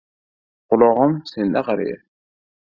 Qulog‘im senda qariya.